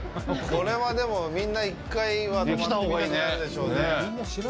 これは、でもみんな一回は泊まってみたくなるでしょうね。